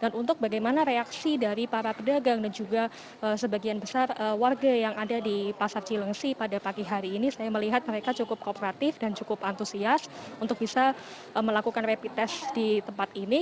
dan untuk bagaimana reaksi dari para pedagang dan juga sebagian besar warga yang ada di pasar cilangsi pada pagi hari ini saya melihat mereka cukup kooperatif dan cukup antusias untuk bisa melakukan rapi tes di tempat ini